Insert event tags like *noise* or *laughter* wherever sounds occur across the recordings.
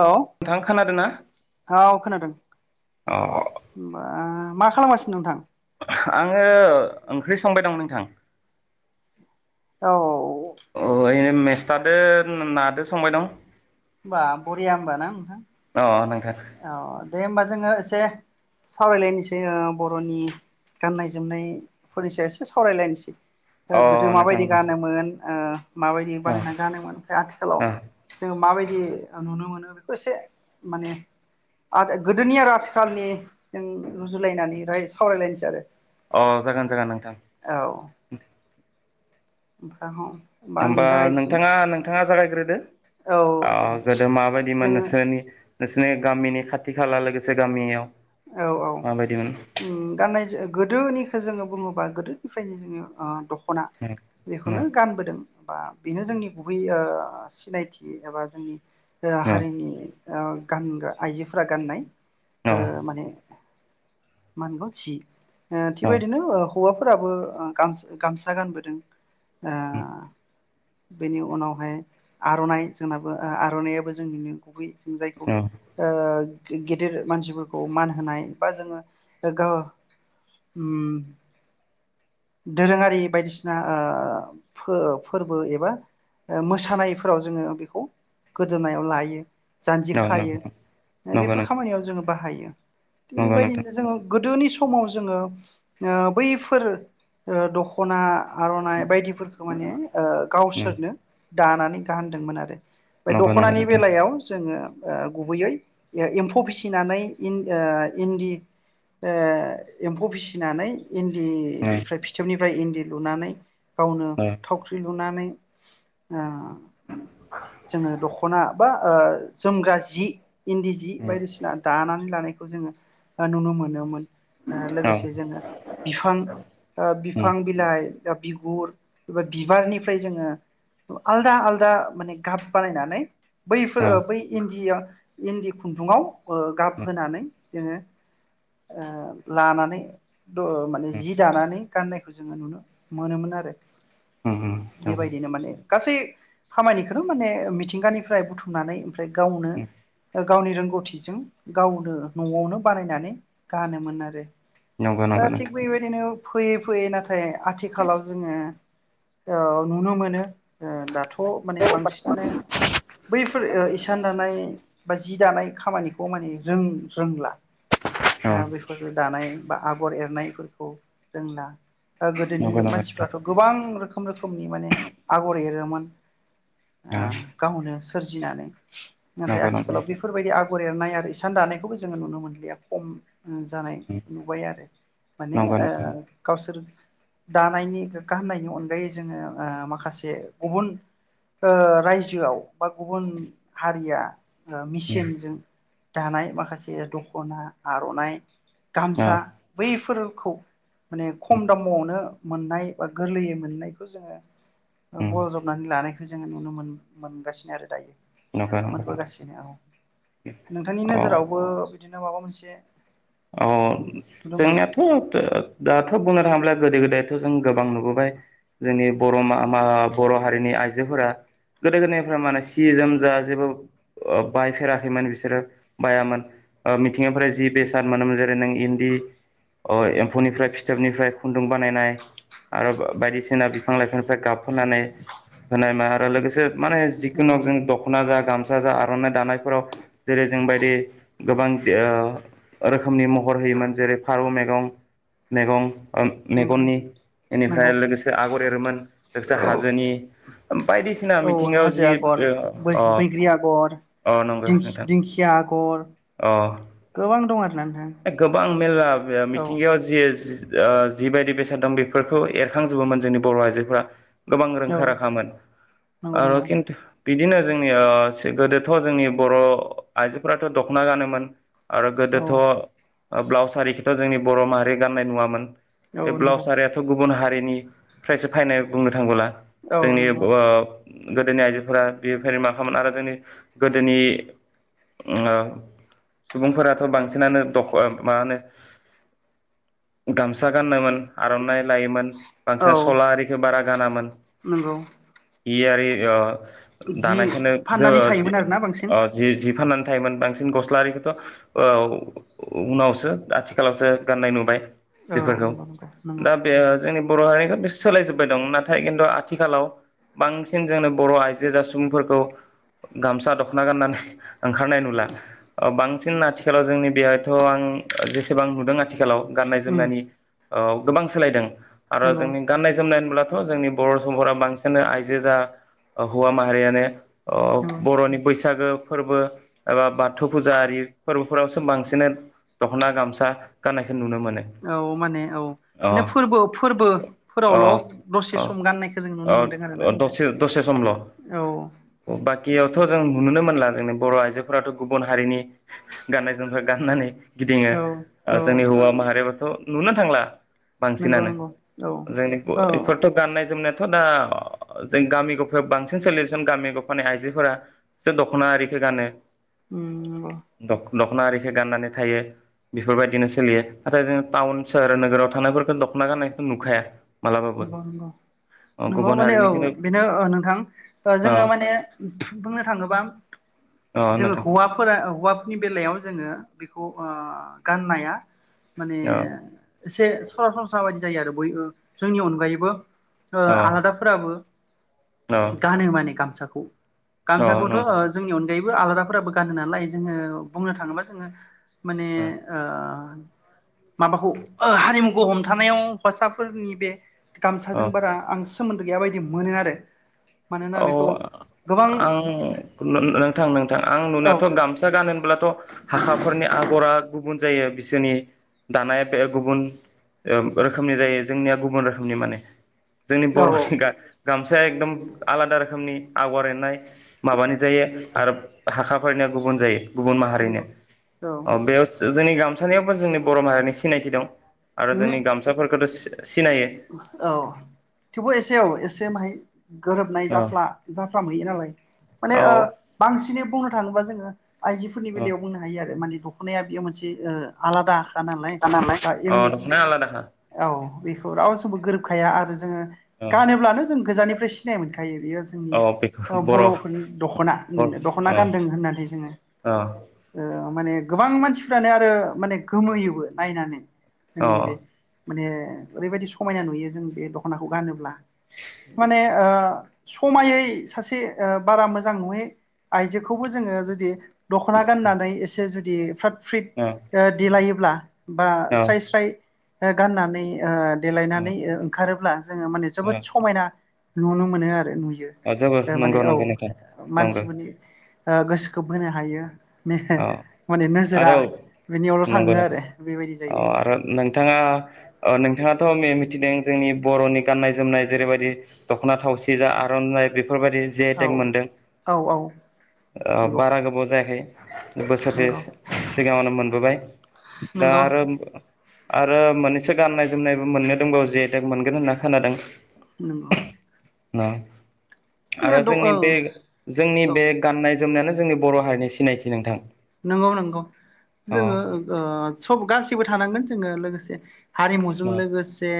औ नोंथां खोनादोंना हाव खोनादों अ बा मा खालामासिनो नोंथां आङो ओंख्रि संबाय दं नोंथां। औ। अ ऐ मेस्थादो नादो संबाय दं। बा बरिआ ओमबा ना नोंथां। अ नोंथां औ दे होमबा जोङो एसे सावरायलायनोसै बर'नि गाननाय जोमनायफोरनि सायाव एसे सावरायलायनोसै। अ ओ गोदो नोंथां माबायदि नोंथां गानोमोन? ओ माबायदि अ बानायनानै गानोमोन ओमफ्राय आथिखालाव अ जों माबाय दि नुनो मोनो बेखौ एसे माने। आ गोदोनि आरो आथिखालनि जों रुजुलायनानै सावरायलायनोसै आरो अ जागोन जागोन नोंथां *inaudible* औ। *unintelligible* होमबा जागायनोसै नोंथाङा नोंथाङा जागायग्रोदो औ अ दे गोदो माबायदिमोन जोङो नोंसोरनि नोंसिनि गामिनि खाथि खाला लोगोसे गामियाव औ औ माबायदिमोन उम गाननाय जो गोदोनि जोङो बुङोबा गोदोनिफ्रायनो जोङो ओ दख खना बेखौनो नंगौ गानबोदों बा बेनो जोंनि गुबै ओ सिनायथि एबा जोंनि ओ हारिनि गानग्रा आइजोफोरा गाननाय। ओ। *unintelligible* जि थिगबायदिनो हौवाफोराबो गाम-गामसा गानबोदों *inaudible* ओ बेनि उनावहाय आर'नाइ जोंनाबो आर'नायाबो जोंनिनो गुबै जों जायखौ ओ गे-गेदेर मानसिफो खौ मान होनाय बा जोङो ग- उम दोरोङारि बायदिसिना ओ फो-फोरबो एबा मोसानायफोराव जोङो बेखौ गोदोनायाव लायो। जान्जि खायो नोंथां नंगौ बेफोर नोंथां खामानियाव जोङो बाहायो थिग बेबायदिनो जोङो गोदोनि समाव जोङो ओ बैफोर ओ दख'ना आर'नाइ बायदिफोरखौ माने ओ नंगौ गावसोरनो दानानै गानदोंमोन आरो। बे नंगौ दख'नानि नोंथां बेलायाव जोङो ओ गुबैयै ए-एम्फौ फिसिनानै इ-इन ओ इन्दि ओ एम्फौ फिसिनानै इन दि निफ्राय इन्दि लुनानै गावनो थावख्रि लुनानै ओं जोङो दख'ना बा ओ जोमग्रा जि इन्दि जि बायदिसिना दानानै लानायख खौ जोङो ओ नुनो मोनोमोन। ओ लोगोसे जोङो बिफां ओ औ बिफां बिलाइ दा बिगुर एबा बिबारनिफ्राय जोङो आलदा आलदा माने गाब बानायनानै औ बैफोर ओ बै इन्दिया इन्दि खुन्दुङाव ओ गाब होनानै जोङो ओ लानानै द माने जि जानानै गाननायखौ जोङो नुनो मोनोमोन आरो उम बेबायदिनो माने गासै खामानिखौनो माने मिथिंगानिफ्राय बुथुमनानै ओमफ्राय गावनो गावनि रोंगौथिजों गावनो न'आवनो बानायनानै गानोमोन आरो नंगौ नंगौ नोंथां ओ फैयै फैयै नाथाय आथिखालाव जोङो औ नुनो मोनो ओ दाथ' माने बांसिनानो बैफोर ओ इसान दानाय बा जि दानाय खामानिखौ माने रों रोंला औ ओ बैफोर दानाय बा आगर एरनायफो खौ जोंना दा गोद गोदोनि नंगौ नंगौ नोंथां मानसिफ्राथ' गोबां रोख खोम रोखोमनि माने आगर एरोमोन ओ औ गावनो सोरजिनानै नाथाय नंगौ नंगौ नंगौ नोंथां आथिखालाव बेफोरबायदि आगर एरनाय आरो इसान दानायखौबो जोङो नुनो मोनलिया खम जानाय औ नुबाय आरो माने ओ गावसोर दानायनि गोग्गा होननायनि अनगायै जोङो ओ माखासे गुबुन ओ राज्योआव बा गुबुन हारिया ओ मेसिनजों दानाय माखासे दख'ना आर'नाइ गामसा बैफोर खौ माने खम दामावनो मोननाय बा गोरलैयै मोननायखौ जोङो ओ बजबनानै लानायखौ जोङो नुनो मोन मोनगासिनो आरो दायो। नंगौ नंगौ मोनबोगासिनो औ नोंथांनि अ नोजोरावबो बिदिनो माबा मोनसे नुदों नामा? जोंनियाथ' ओ दाथ' बुंनो थाङोब्ला गोदो गोदायथ' जों गोबां नुबोबाय जोंनि बर' मा मा बर' हारिनि आइजोफोरा गोदो गोदायनिफ्राय माने सि जोम जा जेबो ओ बायफेराखैमोन बिसोरो बायामोन ओ मिथिंनिफ्राय जि बेसाद मोनोमोन जेरै नों इन्दि ओ एम्फौनिफ्राय फिथोबनिफ्राय खुन्दुं बानायनाय आरो बायदिसिना बिफां लाइफांनिफ्राय गाब होनानै होनाय मा आरो लोगोसे माने नंगौ जिखुनुग जों दख'ना गा गामसा जा आर'नाइ दानायफोराव जेरै जोंबायदि गोबां जि ओ रोखोमनि महर होयोमोन जेरै फारौ मेगं मेगं ओ नंगौ मेगननि नंगौ इनिफ्राय लोगोसे आगर एरोमोन लोगोसे औ हाजोनि बायदिसिना औ मिथिंगायाव हाजो जि आगर अ बैग्रि आगर अ नंगौ नोंथां दिंखिया आगर अ गोबां दं आरोना नोंथां ए गोबां मेरला औ मिथिंगायाव जि ओ जिबायदि बेसाद दं बेफोरखौ एरखांजोबोमोन जोंनि बर' आइजोफोरा। गोबां रोंखा औ राखामोन नंगौ आरो नंगौ किन्तु बिदिनो जोंनि ओ गोदोथ' जोंनि बर' आइजोफोराथ' दख्ना गानोमोन। आरो गोदोथ' औ ब्लाउस आरिखोथ' जोंनि बर' माहारि गान्नाय नुवामोन बे औ नंगौ ब्लाउस आरियाथ' गुबुन हारि निफ्रायसो फैनाय बुंनो थांबोला औ जोंनि ब नंगौ आ गोदोनि आइजोफोरा बेफोर मा खालामामोन आरो जोंनि गोदोनि ओ सुबुंफोराथ' बांसिनानो द ब मा होनो गामसा गाननोमोन आर'नाइ लायोमोन बांसिन औ स'ला आरिखो बारा गानामोन। नंगौ हि आरि अ जि दानायखो नो जोङो फाननानै थायोमोन आरोना बांसिन ओ जि जि फाननानै थायोमोन बांसिन गस्लाारिखोथ' औ। उ-उनावसो आथिखालावसो गाननाय नुबाय। औ बेफोरखौ नंगौ नंगौ नंगौ दा बे जोंनि बर' हारिनिखो सोलायजोबबाय दं नाथाय किन्तु आथिखालाव बांसिन जोंनो बर' आइजो जा सुबुंफोरखौ गामसा दख्ना गाननानै ओंखारनाय नुला ओ बां सिन आथिखालाव जोंनि थ' आं ओ जेसेबां नुदों आथिखालाव गाननाय उम जोमनायनि औ गोबां सोलायदों आरो नंगौ जोंनि गाननाय जोमनाय होमब्ला थ' जोंनि बर' सुबंफोरा बांसिनानो आइजो जा हौवा माहारियानो अ औ बर'नि बैसागो फोरबो एबा बाथौ फुजा आरि फोरबोफोरावसो बांसिन दखना गामसा गाननायखो औ माने औ माने अ फोरबो अ फोरबोफोरावल' दसे अ सम गाननायखो जों नुनो मोनदों अ आरोना दसे दसे समल' औ। नुनो मोनला जोंनि बर' आइजोफोराथ' गुबुन हारिनि गाननाय जोमग्रा गाननानै गिदिङो औ औ जोंनि हौवा माहारिबो त' नुनो थांला नंगौ बांसिनानो नंगौ औ जोंनि औ बेफोरथ' गाननाय जोमनाय दाथ' दा जों गामि गफायाव बांसिन सोलियोसन गामि गफानि आइजोफोरा दख्ना आरिखो गानो। उम नगौ दखना आरिखो गाननानै थायो बेफोरबायदिनो सोलियो नाथाय जोंङो टाउन सोहोर नोगोराव थानायफोरखौ दख'ना गाननायखो नोखाया नंगौ नंगौ नंगौ माने औ हारिनिखौनो बेनो नोंथां जोङो औ माने बुंनो थाङोबा अ जोङो नोंथां हौवाफोरा हौवा नि बेलायाव जोङो बेखौ ओ गाननाया। माने अ एसे सरासनस्रा बायदि। जायो आरो बयबो। जोंनि अनगायैबो। ओ अ आलादाफोराबो। अ गानो माने गामसाखौ अ गामसाखौथ' नंगौ ओ जोंनिया *unintelligible* आलादाफोराबो गानो नालाय जोङो बुंनो थाङोबा जोङो। माने ओ। माबाखौ ओ हारिमु खो हमथानायाव हौवासाफोरनि बे। अ गामसाजों बारा आं सोमोन्दो गैय बायदि मोनो आरो। मानोना औ बेखौ गोबां आं नो-नोंथां नोंथां आं औ नुनायाथ' गामसा गानो होनब्लाथ' हाखाफोरनि आगरा। गुबुन जायो बिसोरनि दानाया बे गुबुन उम रोखोमनि जायो जोंनिया गुबुन रोखोमनि माने। जोंनि औ औ बर'नि गा गामसाया एकदम। आलादा रोखोमनि आगर एरनाय माबानि। जायो आरो हाखा फैनाया गुबुन जायो। गुबुन माहारिनि नंगौ औ अ बेयावसो। जोंनि गामसानियावबो जोंनि बर' माहारिनि सिनायथि दं। आरो जोंनि गामसाफोरखौथ' सि औ थेवबो एसे औ एसे माहाय। गोरोबनाय औ जाफ्ला जाफ्रामहैयो नालाय माने औ ओ बांसिनै। फुंआव थांनोबा जोङो। आइजोफोरनि औ बेलायाव बुंनो हायो आरो माने द ख'नाया बेयो मोनसे आलादा। खा नालाइ आ अ इउनिक दख'ना आलादाखा औ। बेखौ रावजोंबो गोरोबखाया आरो जोङो। औ गानोब्लानो जों गोजाननिफ्राय *unintelligible* आयो बेयो जोंनि औ बेखौ अ बर' औ बर'फोरनि दख'ना-दख'ना गानदों होननाथाय जोङो औ ओ माने गोबां मानसिफ्रानो आरो माने गोमोयोबो नायनानै। औ जोंनि बेे माने ओरैबायदि समायना नुयो जों बे दख'नाखौ गानोब्ला। माने ओ समायै सासे ओ बारा मोजां नङै आइजोखौबो जोङो जुदि दख'ना गाननानै एसे जुद दि फ्राद फ्रिट के देलायोब्ला बा स्राय स्राय गाननानै आ देलायनानै ओंखारोब्ला जोङो माने औ जोबोद समायना नुनो मोनो आर नुयो जोबोर माने नंगौ औ नंगौ नोंथां नंगौ मानसिफोरनि ओ गोसोखौ बोनो हायो। औ माने नोजोरा आरौ बिनियावल' थाङो नंगौ नो आरो बेबायदि अ जायो आरो नोंथाङा नों थाङाथ' मि-मिथिदों जोंनि बर'नि गान्नाय जोमनाय जेरैबायदि दख'ना थावसि जा आर'नाइ बेफ फोरबायदि जि आइ औ टेक मोनदों औ औ ओ नंगौ बारा गोबाव जायाखै *inaudible* बोसोरसे नंगौ सिगाङावनो मोन बोबाय दा नंगौ आरो आरो मानैस गाननाय जोमनायबो मोननो दंबावो जि आइ टेक मोनगोन होनना खोनादों नोंगौ *unintelligible* आरो जोंनि बे जोंनि औ बे गाननाय जोमनायानो जोंनि बर' हारिनि सिनायथि नोंथां नंगौ नंगौ जोङो अ ओ सब गासिबो थानांगोन जोङो लोगोसे हारिमुजों लोगोसे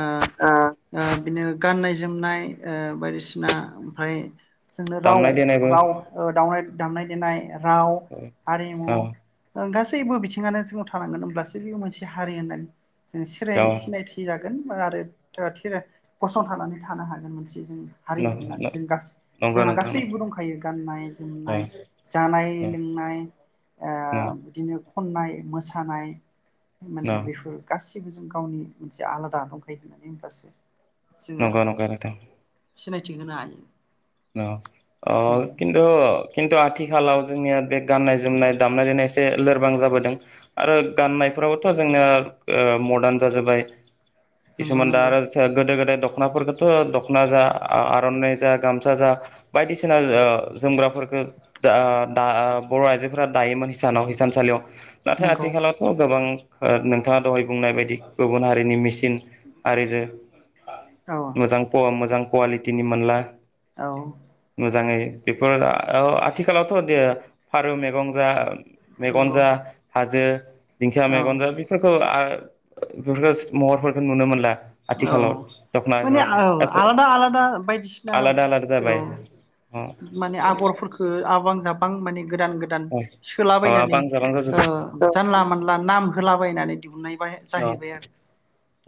ओ अ ओ बिनो गाननाय जोमनाय ओ बायदिसिना ओमफ्राय जोंनो राव दामनाय देनायबो राव दावउनाय दामनाय देनाय राव हारिमु औ ओ गास गासैबो बिथिङानो जोंनाव थानांगोन होमब्लासो बे मोनसे हारि होननानै जों सिराय औ सिनायथि जागोन गोन गसंथानानै थानो हागोन मोनसे जों हारि होननानै जों नंगौ जोंहा नोंथां गासैबो नंगौ दंखायो गाननाय जोमनाय जानाय लोंनाय ओ उम बिदिनो खननाय मोसानाय माने बेफोर गाससिबो गाससिबो जों गावनि मोनसे आलादा दंखायो होननानै होनब्लासो नंगो नंगौ नोंथां सिनायथि होनो हायो औ अ खिन्थु खिन्थु आथिखालाव जोंनिया बे गाननाय जोमनाय दामनाय देनायसे लोरबां जाबोदों आरो गाननायफ्राबोथ' जोंनिया ओ मदार्न जाजोब्बाय नंगौ कसुमान दा नंगौ आरो सो गोदो गोदाय दख'नाफोरखौथ' दख'ना जा आर'नानाय जा गाम गामसाजा बायदिसिना जोमग्राफोरखौ बर' आइजोफोरा दायोमोन हिसानाव हिसानसालियाव नाथाय नंगौ आथिखालावथ' गोबां ओ नोंथाङा दहाय बुंनाय बायदि गुबुन हारिनि मेसिन आरिजो औ मोजां फव मोजां कवालिटिनि मोनला औ मोजाङै बेफोर आथिखालावथ' दे फारौ मैगं जा मेगन नंगौ जा हाजो दिंखिया औ मेगन जा बेफोरखौ आ बेफोरखौ महरफोरखौ नुनो मोनला औ आथिखालाव माने दख'नाफोराव औ गासै आलादा आलादा बायदिसिना आलादा आलादा औ जाबाय अ माने आगरफोरखौ आबांजाब बां मानि गोदान गोदान अ अ सोलाबायनानै बांजा बांजा ओ जाजोब्बाय जानला मोनला नाम होला बायनानै दिहुननाय अ जाहैबाय आरो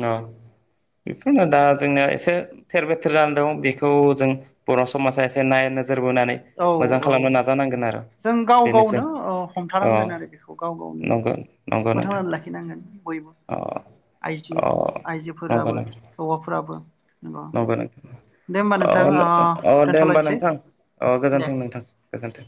अ। बेफोरनो दा जोंनिया एसे थेर बेथेर जानानै दं बेखौ जों बर' समाजा एसे नायनो। औ औ आरो जों गाव बेनोसै गावनो ओ अ हमथानांगोन आरो बेखौ गाव गावनो नंगौ नंगौ नोंथां फोथांनानै लाखिनांगोन बय अ आइजो अ नंगौ आइजोफोराबो नंगौ हौवाफोराबो। नंगौ *unintelligible* अ अ दे होमबा नोंथां ओ दे होमबा दोनथ'लायनोसै नोंथां अ दे। गोजोन्थों नोंथां। गोजोन्थों।